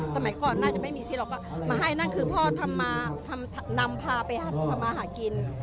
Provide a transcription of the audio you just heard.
สมัยก่อนน่าจะไม่มีซี่หรอกก็มาให้นั่นคือพ่อนำพาไปทำมาหากิน